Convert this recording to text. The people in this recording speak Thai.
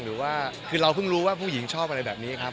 หรือว่าคือเราเพิ่งรู้ว่าผู้หญิงชอบอะไรแบบนี้ครับ